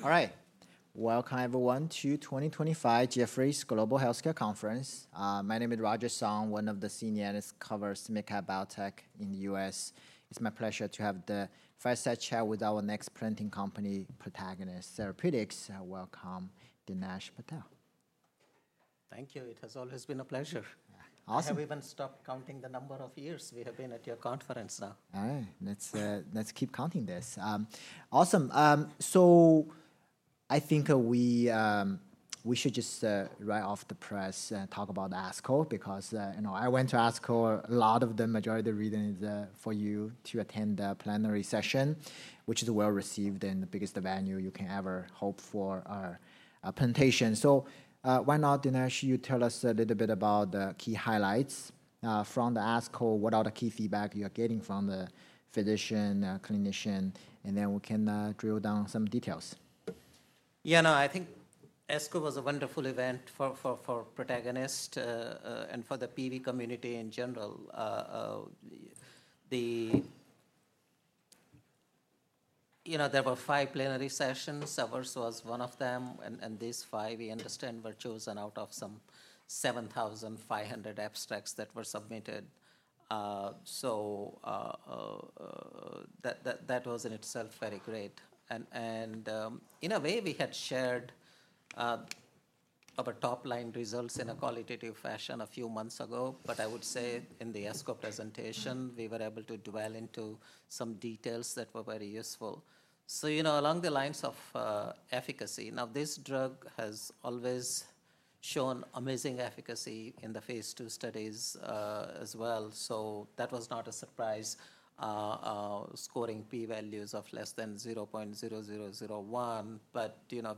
All right. Welcome, everyone, to 2025 Jefferies Global Healthcare Conference. My name is Roger Song, one of the Senior Analysts covering MedCap Biotech in the U.S. It's my pleasure to have the fireside chat with our next presenting company, Protagonist Therapeutics. Welcome, Dinesh Patel. Thank you. It has always been a pleasure. Awesome. Have we even stopped counting the number of years we have been at your conference now? All right. Let's keep counting this. Awesome. I think we should just write off the press and talk about ASCO because I went to ASCO. A lot of the majority of the reasons for you to attend the plenary session, which is well received and the biggest venue you can ever hope for our presentation. Why not, Dinesh, you tell us a little bit about the key highlights from the ASCO? What are the key feedback you are getting from the physician, clinician? Then we can drill down some details. Yeah, no, I think ASCO was a wonderful event for Protagonist and for the PV community in general. There were five plenary sessions. Ours was one of them. These five, we understand, were chosen out of some 7,500 abstracts that were submitted. That was in itself very great. In a way, we had shared our top-line results in a qualitative fashion a few months ago. I would say in the ASCO presentation, we were able to dwell into some details that were very useful. Along the lines of efficacy, now this drug has always shown amazing efficacy in the phase II studies as well. That was not a surprise, scoring p-values of less than 0.0001.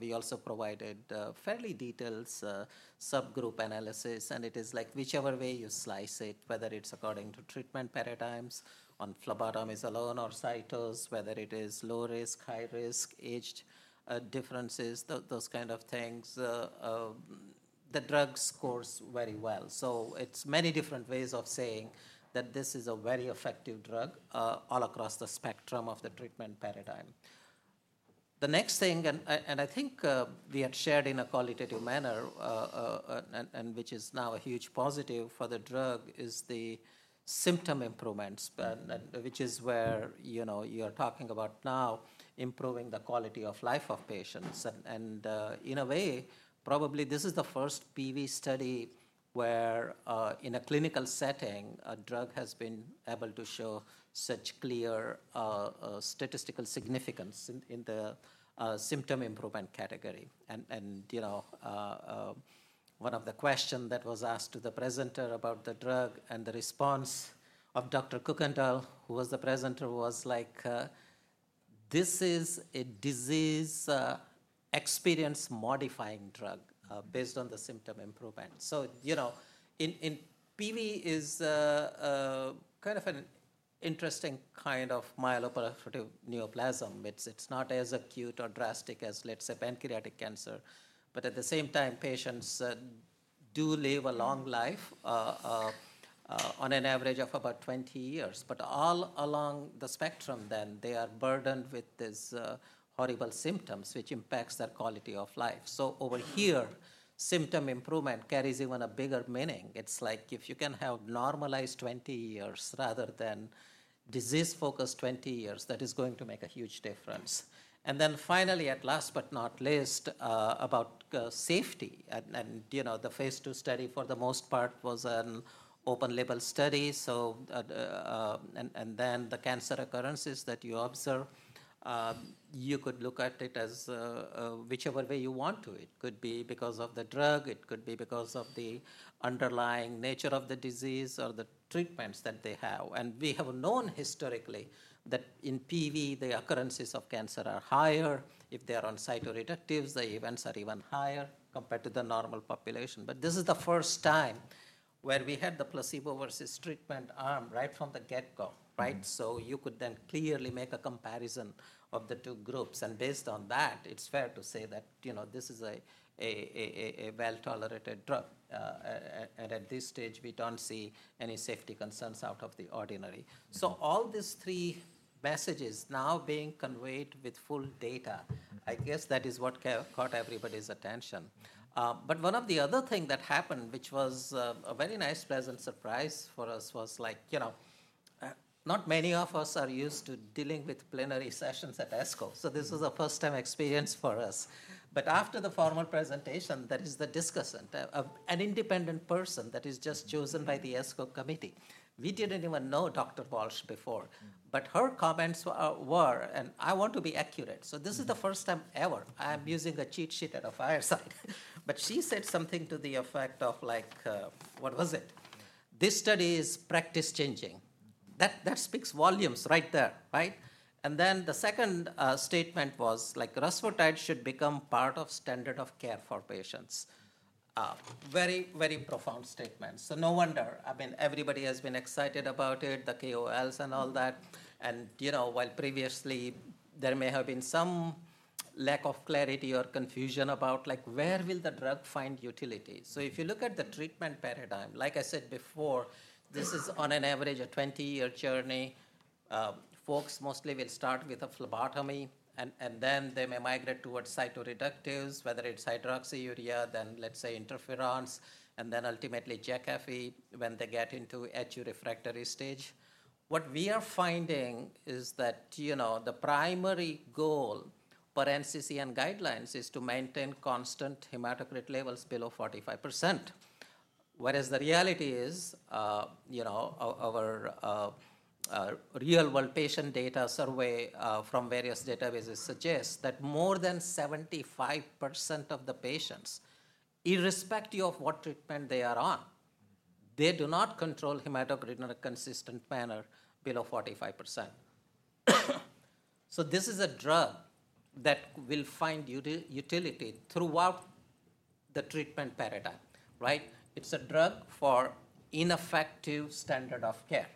We also provided fairly detailed subgroup analysis. It is like whichever way you slice it, whether it's according to treatment paradigms on phlebotomies alone or cytos, whether it is low risk, high risk, age differences, those kind of things, the drug scores very well. It is many different ways of saying that this is a very effective drug all across the spectrum of the treatment paradigm. The next thing, and I think we had shared in a qualitative manner, and which is now a huge positive for the drug, is the symptom improvements, which is where you are talking about now improving the quality of life of patients. In a way, probably this is the first PV study where in a clinical setting, a drug has been able to show such clear statistical significance in the symptom improvement category. One of the questions that was asked to the presenter about the drug and the response of Dr. Kuykendall, who was the presenter, was like, "This is a disease experience-modifying drug based on the symptom improvement." PV is kind of an interesting kind of myeloproliferative neoplasm. It is not as acute or drastic as, let's say, pancreatic cancer. At the same time, patients do live a long life on an average of about 20 years. All along the spectrum, they are burdened with these horrible symptoms, which impacts their quality of life. Over here, symptom improvement carries even a bigger meaning. It is like if you can have normalized 20 years rather than disease-focused 20 years, that is going to make a huge difference. Finally, at last but not least, about safety. The phase II study, for the most part, was an open-label study. The cancer occurrences that you observe, you could look at it as whichever way you want to. It could be because of the drug. It could be because of the underlying nature of the disease or the treatments that they have. We have known historically that in PV, the occurrences of cancer are higher. If they are on cytoreductives, the events are even higher compared to the normal population. This is the first time where we had the placebo versus treatment arm right from the get-go. You could then clearly make a comparison of the two groups. Based on that, it's fair to say that this is a well-tolerated drug. At this stage, we do not see any safety concerns out of the ordinary. All these three messages now being conveyed with full data, I guess that is what caught everybody's attention. One of the other things that happened, which was a very nice pleasant surprise for us, was like not many of us are used to dealing with plenary sessions at ASCO. This was a first-time experience for us. After the formal presentation, that is the discussant, an independent person that is just chosen by the ASCO committee. We did not even know Dr. Walsh before. Her comments were, and I want to be accurate. This is the first time ever I am using a cheat sheet at a fireside. She said something to the effect of like, what was it? "This study is practice-changing." That speaks volumes right there. Then the second statement was like, "rusfertide should become part of standard of care for patients." Very, very profound statement. No wonder. I mean, everybody has been excited about it, the KOLs and all that. While previously, there may have been some lack of clarity or confusion about where will the drug find utility. If you look at the treatment paradigm, like I said before, this is on an average of a 20-year journey. Folks mostly will start with a phlebotomy, and then they may migrate towards cytoreductives, whether it's hydroxyurea, then, let's say, interferons, and then ultimately Jakafi when they get into edge refractory stage. What we are finding is that the primary goal per NCCN guidelines is to maintain constant hematocrit levels below 45%. Whereas the reality is our real-world patient data survey from various databases suggests that more than 75% of the patients, irrespective of what treatment they are on, they do not control hematocrit in a consistent manner below 45%. This is a drug that will find utility throughout the treatment paradigm. It's a drug for ineffective standard of care.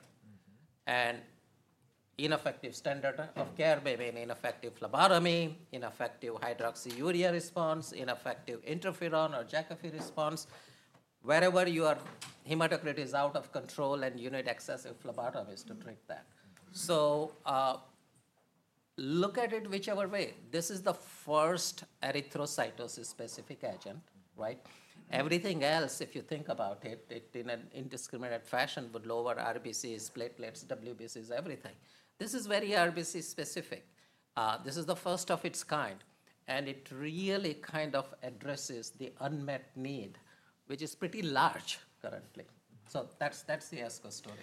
Ineffective standard of care may mean ineffective phlebotomy, ineffective hydroxyurea response, ineffective interferon or Jakafi response. Wherever your hematocrit is out of control, and you need excessive phlebotomies to treat that. Look at it whichever way. This is the first erythrocytosis-specific agent. Everything else, if you think about it, in an indiscriminate fashion, would lower RBCs, platelets, WBCs, everything. This is very RBC-specific. This is the first of its kind. It really kind of addresses the unmet need, which is pretty large currently. That's the ASCO story.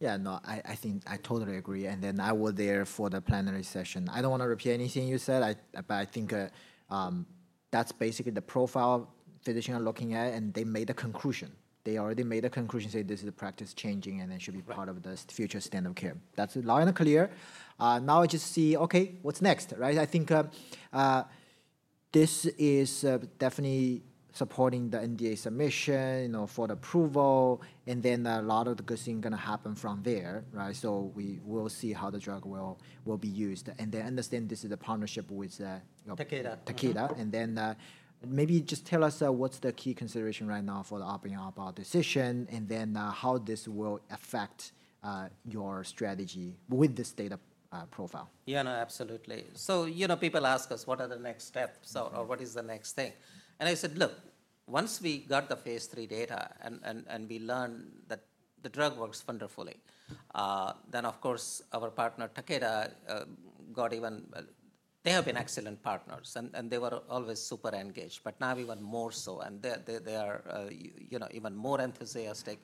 Yeah, no, I think I totally agree. I was there for the plenary session. I do not want to repeat anything you said, but I think that is basically the profile physicians are looking at, and they made a conclusion. They already made a conclusion saying this is practice-changing and it should be part of the future standard of care. That is loud and clear. Now I just see, okay, what is next? I think this is definitely supporting the NDA submission for the approval. A lot of the good things are going to happen from there. We will see how the drug will be used. They understand this is a partnership with. Takeda. Takeda. Maybe just tell us what's the key consideration right now for the opt-in, opt-out decision, and then how this will affect your strategy with this data profile. Yeah, no, absolutely. People ask us, what are the next steps or what is the next thing? I said, look, once we got the phase III data and we learned that the drug works wonderfully, of course, our partner Takeda got even—they have been excellent partners, and they were always super engaged. Now even more so. They are even more enthusiastic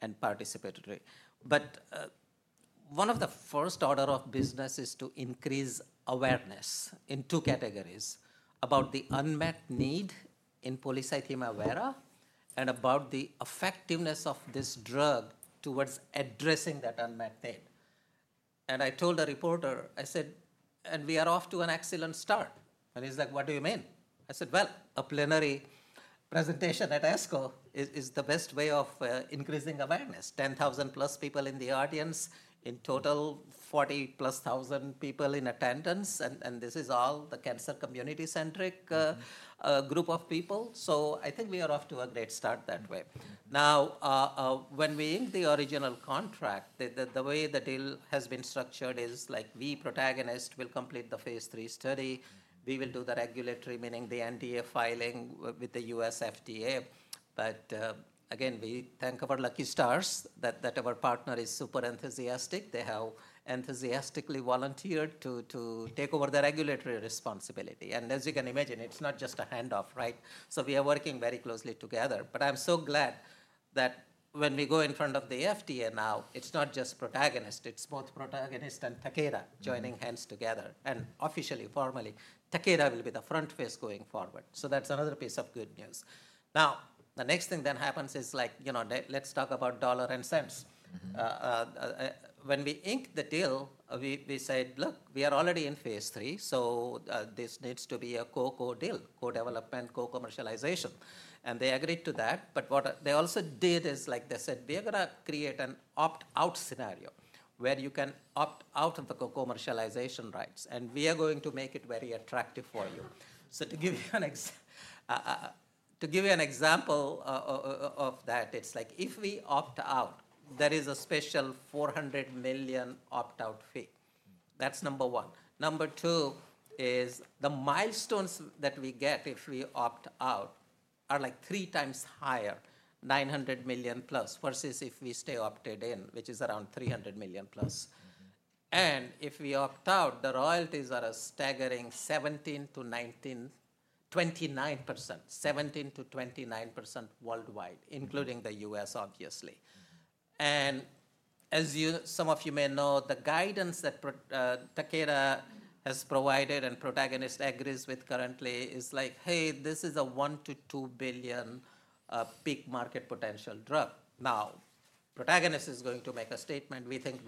and participatory. One of the first order of business is to increase awareness in two categories: about the unmet need in polycythemia vera and about the effectiveness of this drug towards addressing that unmet need. I told a reporter, I said, we are off to an excellent start. He's like, what do you mean? I said, a plenary presentation at ASCO is the best way of increasing awareness. 10,000 plus people in the audience, in total, 40,000 plus people in attendance. This is all the cancer community-centric group of people. I think we are off to a great start that way. Now, when we inked the original contract, the way the deal has been structured is like we, Protagonist, will complete the phase III study. We will do the regulatory, meaning the NDA filing with the U.S. FDA. Again, we thank our lucky stars that our partner is super enthusiastic. They have enthusiastically volunteered to take over the regulatory responsibility. As you can imagine, it is not just a handoff. We are working very closely together. I am so glad that when we go in front of the FDA now, it is not just Protagonist. It is both Protagonist and Takeda joining hands together. Officially, formally, Takeda will be the front face going forward. That's another piece of good news. Now, the next thing that happens is like let's talk about dollars and cents. When we inked the deal, we said, look, we are already in phase III. This needs to be a co-deal, co-development, co-commercialization. They agreed to that. What they also did is like they said, we are going to create an opt-out scenario where you can opt out of the co-commercialization rights. We are going to make it very attractive for you. To give you an example of that, if we opt out, there is a special $400 million opt-out fee. That's number one. Number two is the milestones that we get if we opt out are like three times higher, $900 million plus, versus if we stay opted in, which is around $300 million plus. If we opt out, the royalties are a staggering 17%-29%, 17%-29% worldwide, including the U.S., obviously. As some of you may know, the guidance that Takeda has provided and Protagonist agrees with currently is like, hey, this is a $1 billion-$2 billion peak market potential drug. Now, Protagonist is going to make a statement. We think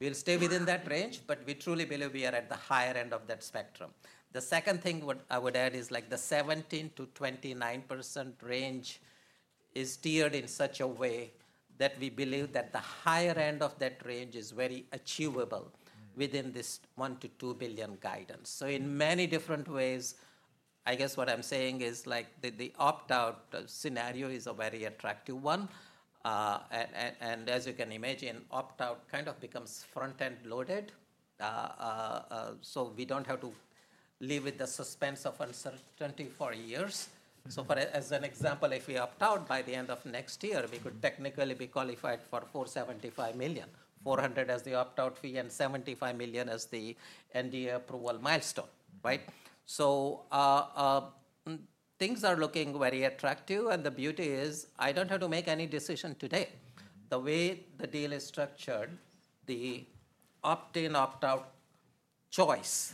we'll stay within that range, but we truly believe we are at the higher end of that spectrum. The second thing I would add is like the 17%-29% range is tiered in such a way that we believe that the higher end of that range is very achievable within this $1 billion-$2 billion guidance. In many different ways, I guess what I'm saying is like the opt-out scenario is a very attractive one. As you can imagine, opt-out kind of becomes front-end loaded. We do not have to live with the suspense of uncertainty for years. For example, if we opt out by the end of next year, we could technically be qualified for $475 million, $400 million as the opt-out fee and $75 million as the NDA approval milestone. Things are looking very attractive. The beauty is I do not have to make any decision today. The way the deal is structured, the opt-in, opt-out choice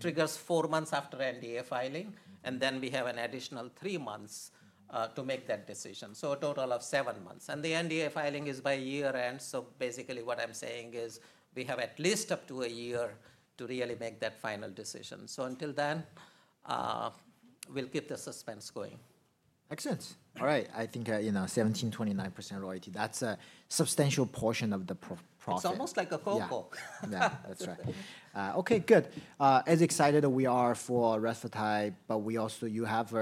triggers four months after NDA filing. We then have an additional three months to make that decision, so a total of seven months. The NDA filing is by year end. Basically, what I am saying is we have at least up to a year to really make that final decision. Until then, we will keep the suspense going. Excellent. All right. I think 17%-29% royalty. That's a substantial portion of the process. It's almost like a cocoa. Yeah, that's right. Okay, good. As excited we are for rusfertide but we also you have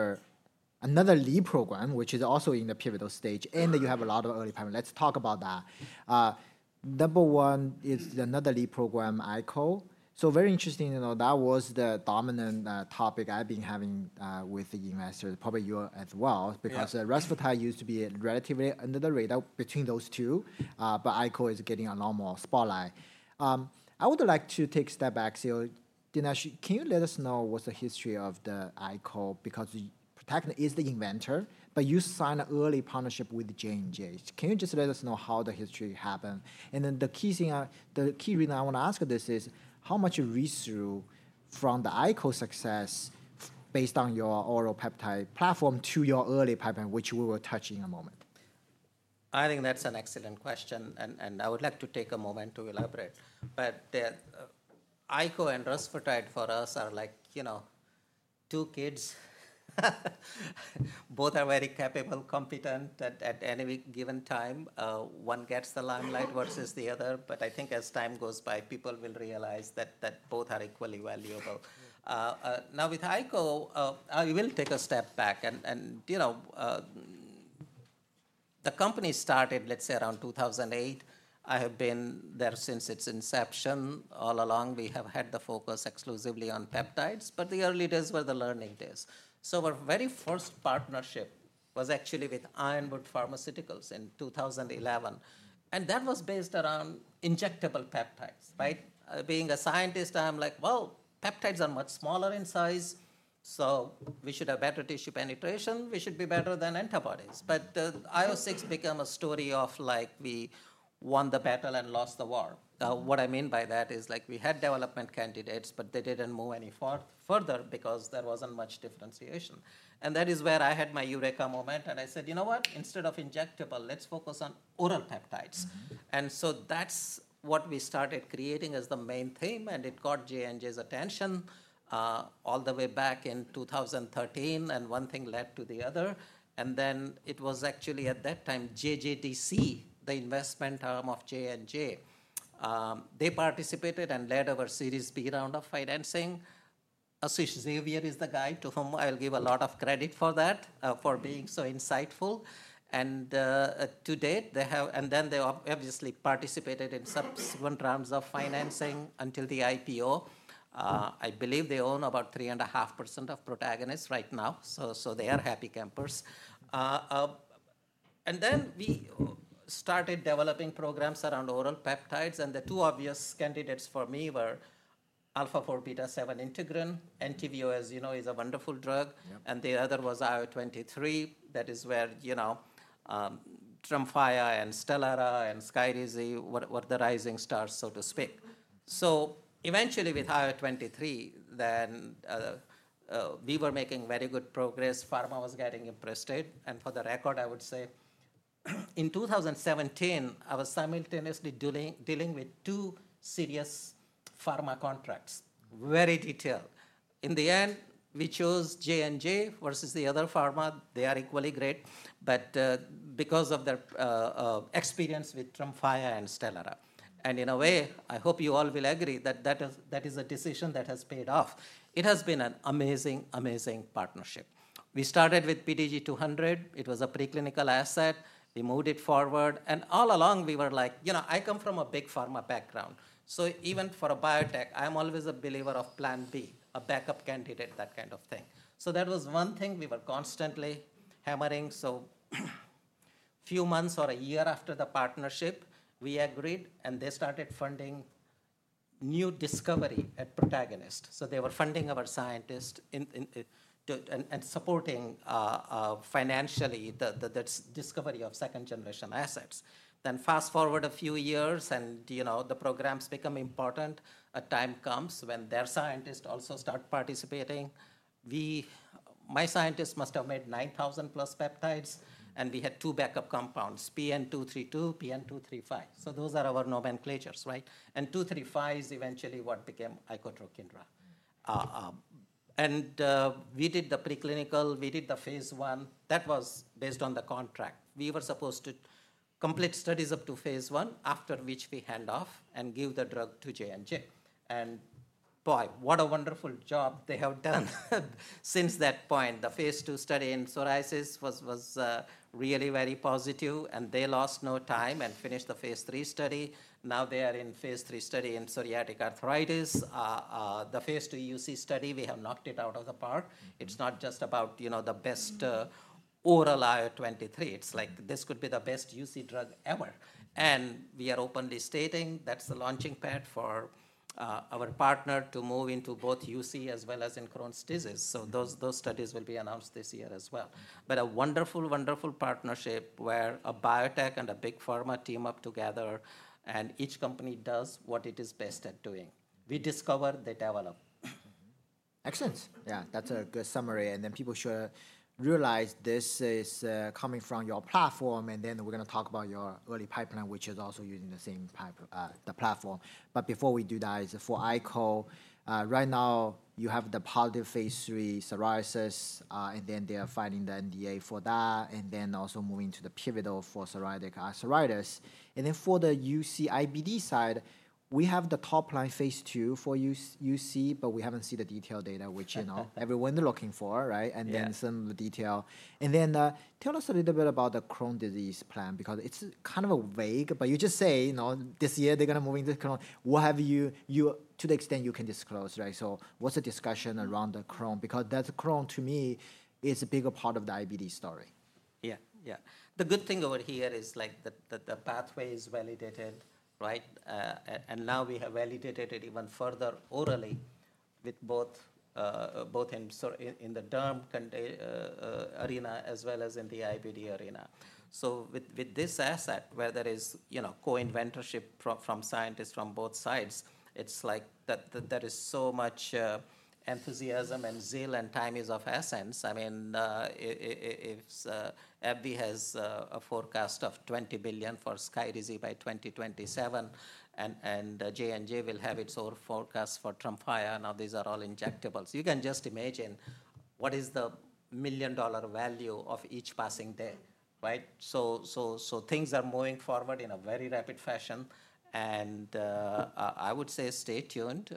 another lead program, which is also in the pivotal stage. And you have a lot of early pipeline. Let's talk about that. Number one is another lead program, ICO. So very interesting. That was the dominant topic I've been having with the investors, probably you as well, because rusfertide used to be relatively under the radar between those two. But ICO is getting a lot more spotlight. I would like to take a step back. Can you let us know what's the history of the ICO? Because the Protagonist is the inventor, but you signed an early partnership with J&J. Can you just let us know how the history happened? The key thing, the key reason I want to ask this is how much rescue from the ICO success based on your oral peptide platform to your early pipeline, which we will touch in a moment. I think that's an excellent question. I would like to take a moment to elaborate. ICO and rusfertide for us are like two kids. Both are very capable, competent. At any given time, one gets the limelight versus the other. I think as time goes by, people will realize that both are equally valuable. Now with ICO, I will take a step back. The company started, let's say, around 2008. I have been there since its inception. All along, we have had the focus exclusively on peptides. The early days were the learning days. Our very first partnership was actually with Ironwood Pharmaceuticals in 2011. That was based around injectable peptides. Being a scientist, I'm like, peptides are much smaller in size. We should have better tissue penetration. We should be better than antibodies. IO6 became a story of like we won the battle and lost the war. What I mean by that is like we had development candidates, but they didn't move any further because there wasn't much differentiation. That is where I had my eureka moment. I said, you know what? Instead of injectable, let's focus on oral peptides. That's what we started creating as the main theme. It got J&J's attention all the way back in 2013. One thing led to the other. It was actually at that time, JJDC, the investment arm of J&J, they participated and led our series B round of financing. Asish Vaidya is the guy to whom I'll give a lot of credit for that, for being so insightful. To date, they have and then they obviously participated in subsequent rounds of financing until the IPO. I believe they own about 3.5% of Protagonist right now. They are happy campers. We started developing programs around oral peptides. The two obvious candidates for me were Alpha-4 Beta-7 Integrin. Entyvio, as you know, is a wonderful drug. The other was IL-23. That is where Tremfya and Stelara and Skyrizi were the rising stars, so to speak. Eventually with IL-23, we were making very good progress. Pharma was getting interested. For the record, I would say in 2017, I was simultaneously dealing with two serious pharma contracts, very detailed. In the end, we chose J&J versus the other pharma. They are equally great, but because of their experience with Tremfya and Stelara. In a way, I hope you all will agree that that is a decision that has paid off. It has been an amazing, amazing partnership. We started with PDG-200. It was a preclinical asset. We moved it forward. And all along, we were like, you know, I come from a big pharma background. So even for a biotech, I'm always a believer of plan B, a backup candidate, that kind of thing. That was one thing we were constantly hammering. A few months or a year after the partnership, we agreed. They started funding new discovery at Protagonist. They were funding our scientists and supporting financially the discovery of second-generation assets. Fast forward a few years, and the programs become important. A time comes when their scientists also start participating. My scientists must have made 9,000 plus peptides. We had two backup compounds, PN-232, PN-235. Those are our nomenclatures. PN-235 is eventually what became icotrokinra. We did the preclinical. We did the phase I. That was based on the contract. We were supposed to complete studies up to phase I, after which we hand off and give the drug to J&J. Boy, what a wonderful job they have done since that point. The phase II study in psoriasis was really very positive. They lost no time and finished the phase III study. Now they are in phase III study in psoriatic arthritis. The phase II UC study, we have knocked it out of the park. It's not just about the best oral IO-23. It's like this could be the best UC drug ever. We are openly stating that's the launching pad for our partner to move into both UC as well as in Crohn's disease. Those studies will be announced this year as well. A wonderful, wonderful partnership where a biotech and a big pharma team up together. Each company does what it is best at doing. We discover, they develop. Excellent. Yeah, that's a good summary. People should realize this is coming from your platform. We're going to talk about your early pipeline, which is also using the same platform. Before we do that, for ICO, right now you have the positive phase III psoriasis. They are filing the NDA for that. Also moving to the pivotal for psoriatic arthritis. For the UC IBD side, we have the top line phase II for UC. We haven't seen the detailed data, which everyone's looking for, and then some of the detail. Tell us a little bit about the Crohn's disease plan, because it's kind of vague. You just say this year they're going to move into Crohn's. What have you, to the extent you can disclose, right? What's the discussion around the Crohn's? Because that's Crohn's, to me, is a bigger part of the IBD story. Yeah, yeah. The good thing over here is like the pathway is validated. And now we have validated it even further orally with both in the derm arena as well as in the IBD arena. So with this asset, where there is co-inventorship from scientists from both sides, it's like there is so much enthusiasm and zeal and time is of essence. I mean, if AbbVie has a forecast of $20 billion for Skyrizi by 2027, and J&J will have its own forecast for Tremfya, now these are all injectables. You can just imagine what is the million-dollar value of each passing day. So things are moving forward in a very rapid fashion. And I would say stay tuned.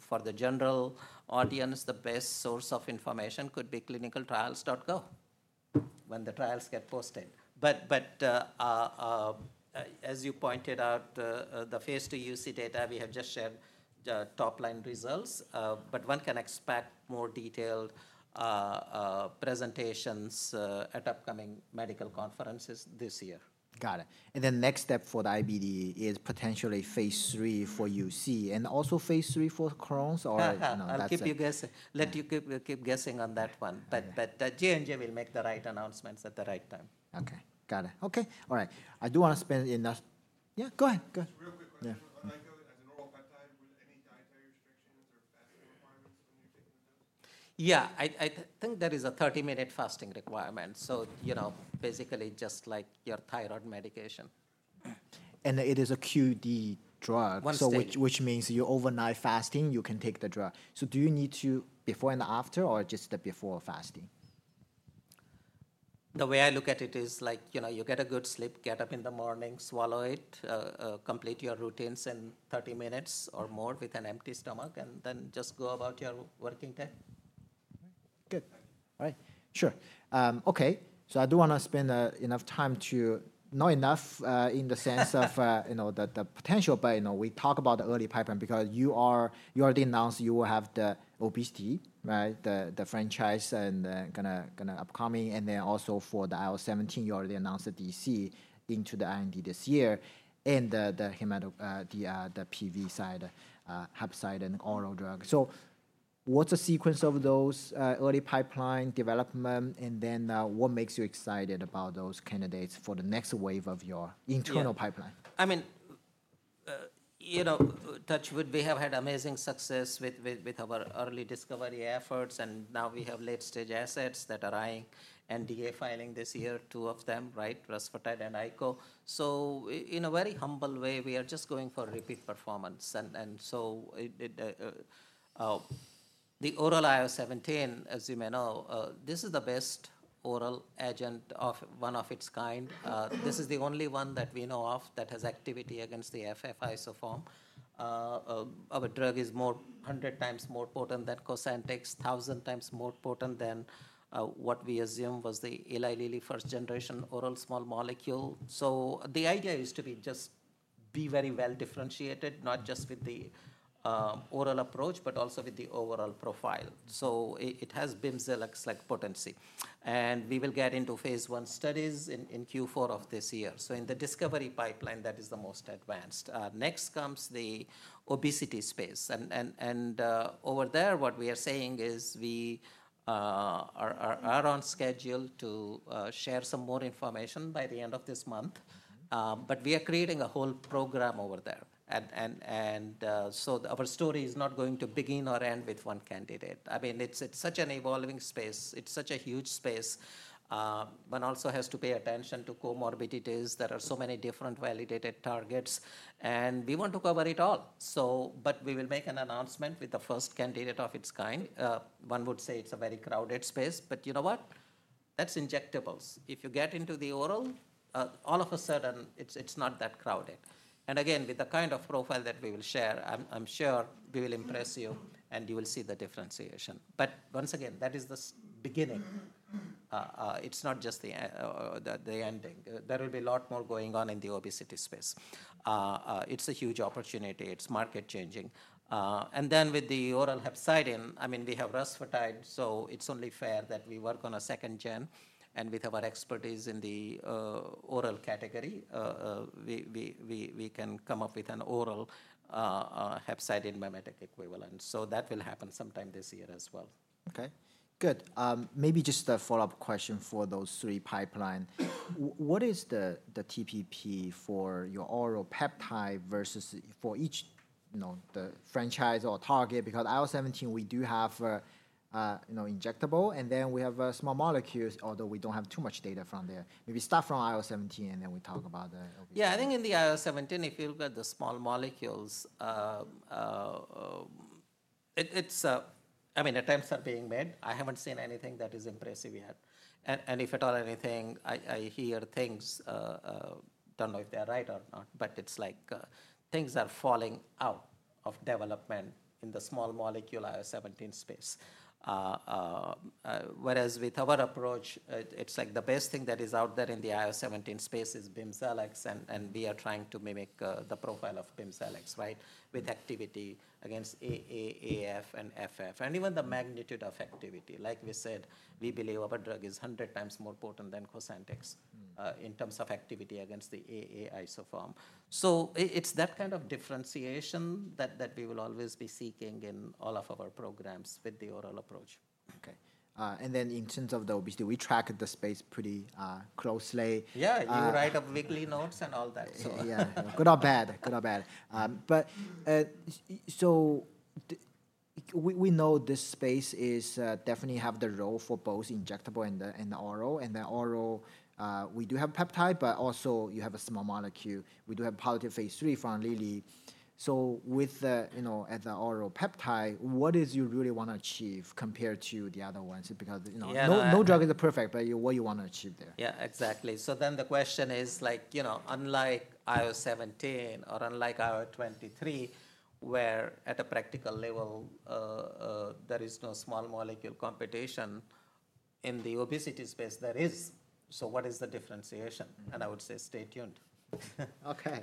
For the general audience, the best source of information could be clinicaltrials.co when the trials get posted. As you pointed out, the phase II UC data, we have just shared top line results. One can expect more detailed presentations at upcoming medical conferences this year. Got it. And then next step for the IBD is potentially phase III for UC and also phase III for Crohn's or. I'll keep you guessing. Let you keep guessing on that one. J&J will make the right announcements at the right time. Okay, got it. Okay, all right. I do want to spend enough. Yeah, go ahead. Just real quick. As an oral peptide, any dietary restrictions or fasting requirements when you're taking the dose? Yeah, I think there is a 30-minute fasting requirement. So basically just like your thyroid medication. It is a QD drug. One step. Which means you're overnight fasting, you can take the drug. Do you need to before and after or just the before fasting? The way I look at it is like you get a good sleep, get up in the morning, swallow it, complete your routines in 30 minutes or more with an empty stomach, and then just go about your working day. Good. All right, sure. Okay, so I do want to spend enough time to, not enough in the sense of the potential, but we talk about the early pipeline because you already announced you will have the OBC, the franchise, and going to upcoming. Also, for the IO-17, you already announced the DC into the IND this year, and the PV side, hep side, and oral drug. What is the sequence of those early pipeline development? What makes you excited about those candidates for the next wave of your internal pipeline? I mean, touch wood, we have had amazing success with our early discovery efforts. And now we have late-stage assets that are eyeing NDA filing this year, two of them, rusfertide and ICO. In a very humble way, we are just going for repeat performance. The oral IO-17, as you may know, this is the best oral agent of one of its kind. This is the only one that we know of that has activity against the FF isoform. Our drug is 100 times more potent than Cosentyx, 1,000 times more potent than what we assume was the Eli Lilly first-generation oral small molecule. The idea is to be just be very well differentiated, not just with the oral approach, but also with the overall profile. It has Bimzelx potency. We will get into phase I studies in Q4 of this year. In the discovery pipeline, that is the most advanced. Next comes the obesity space. Over there, what we are saying is we are on schedule to share some more information by the end of this month. We are creating a whole program over there. Our story is not going to begin or end with one candidate. I mean, it's such an evolving space. It's such a huge space. One also has to pay attention to comorbidities. There are so many different validated targets. We want to cover it all. We will make an announcement with the first candidate of its kind. One would say it's a very crowded space. You know what? That's injectables. If you get into the oral, all of a sudden, it's not that crowded. Again, with the kind of profile that we will share, I'm sure we will impress you and you will see the differentiation. Once again, that is the beginning. It's not just the ending. There will be a lot more going on in the obesity space. It's a huge opportunity. It's market changing. With the oral hepcidin, I mean, we have rusfertide. It's only fair that we work on a second gen. With our expertise in the oral category, we can come up with an oral hepcidin mimetic equivalent. That will happen sometime this year as well. Okay, good. Maybe just a follow-up question for those three pipelines. What is the TPP for your oral peptide versus for each franchise or target? Because IO-17, we do have injectable. And then we have small molecules, although we do not have too much data from there. Maybe start from IO-17 and then we talk about. Yeah, I think in the IO-17, if you look at the small molecules, I mean, attempts are being made. I haven't seen anything that is impressive yet. If at all anything, I hear things. I don't know if they are right or not. It's like things are falling out of development in the small molecule IO-17 space. Whereas with our approach, it's like the best thing that is out there in the IO-17 space is Bimzelx. We are trying to mimic the profile of Bimzelx with activity against AA, AF, and FF. Even the magnitude of activity. Like we said, we believe our drug is 100 times more potent than Cosentyx in terms of activity against the AA isoform. It's that kind of differentiation that we will always be seeking in all of our programs with the oral approach. Okay. In terms of the obesity, we tracked the space pretty closely. Yeah, you write up weekly notes and all that. Yeah, good or bad, good or bad. We know this space definitely has the role for both injectable and the oral. The oral, we do have peptide, but also you have a small molecule. We do have positive phase III from Lilly. With the oral peptide, what do you really want to achieve compared to the other ones? Because no drug is perfect, but what do you want to achieve there? Yeah, exactly. Then the question is like, unlike IO-17 or unlike IO-23, where at a practical level, there is no small molecule competition, in the obesity space, there is. What is the differentiation? I would say stay tuned. Okay,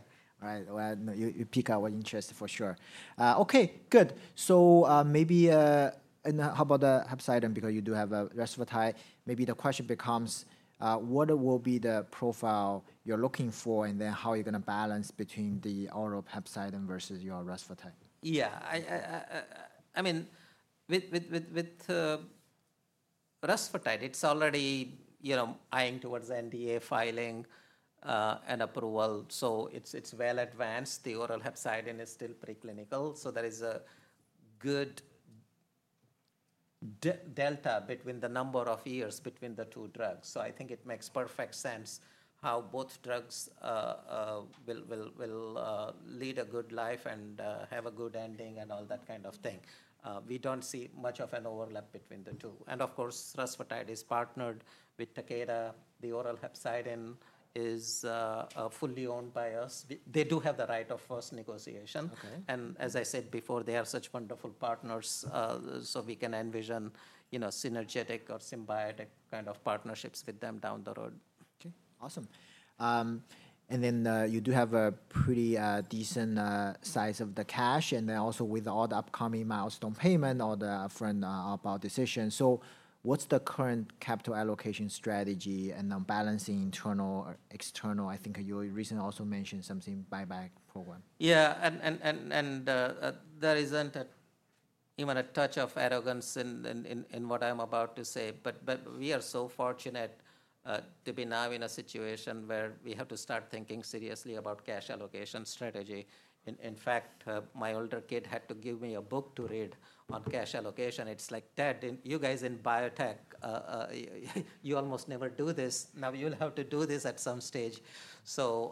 all right. You pique our interest for sure. Okay, good. Maybe how about the hepcidin because you do have rusfertide? Maybe the question becomes, what will be the profile you're looking for? And then how are you going to balance between the oral peptide versus your rusfertide? Yeah, I mean, with rusfertide, it's already eyeing towards NDA filing and approval. It's well advanced. The oral hepcidin is still preclinical. There is a good delta between the number of years between the two drugs. I think it makes perfect sense how both drugs will lead a good life and have a good ending and all that kind of thing. We don't see much of an overlap between the two. Of course, rusfertide is partnered with Takeda. The oral hepcidin is fully owned by us. They do have the right of first negotiation. As I said before, they are such wonderful partners. We can envision synergetic or symbiotic kind of partnerships with them down the road. Okay, awesome. You do have a pretty decent size of the cash. Also, with all the upcoming milestone payment or the upfront about decision, what's the current capital allocation strategy and balancing internal or external? I think you recently also mentioned something buyback program. Yeah, and there is not even a touch of arrogance in what I am about to say. We are so fortunate to be now in a situation where we have to start thinking seriously about cash allocation strategy. In fact, my older kid had to give me a book to read on cash allocation. It is like, dad, you guys in biotech, you almost never do this. Now you will have to do this at some stage.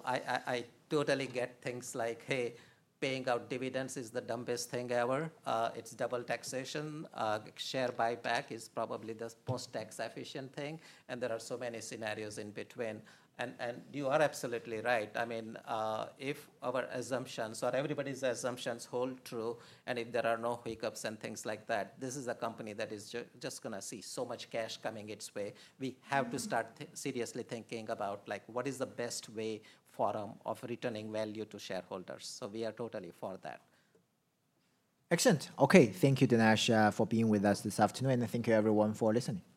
I totally get things like, hey, paying out dividends is the dumbest thing ever. It is double taxation. Share buyback is probably the most tax efficient thing. There are so many scenarios in between. You are absolutely right. I mean, if our assumptions or everybody's assumptions hold true, and if there are no hiccups and things like that, this is a company that is just going to see so much cash coming its way. We have to start seriously thinking about what is the best way, forum of returning value to shareholders. So we are totally for that. Excellent. Okay, thank you, Dinesh, for being with us this afternoon. Thank you, everyone, for listening. Thanks.